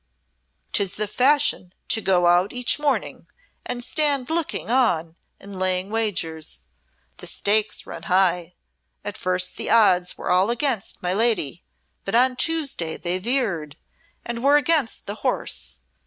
'Tis the fashion to go out each morning and stand looking on and laying wagers. The stakes run high. At first the odds were all against my lady, but on Tuesday they veered and were against the horse.